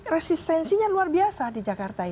resistensinya luar biasa di jakarta